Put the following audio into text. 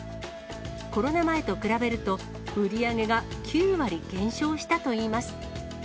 コロナ前と比べると、売り上げが９割減少したといいます。